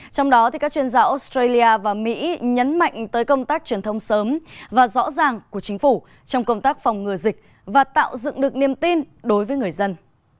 trong đó các chuyên gia australia và mỹ nhấn mạnh tới công tác truyền thông sớm và rõ ràng của chính phủ trong công tác phòng ngừa dịch và tạo dựng được niềm tin đối với người dân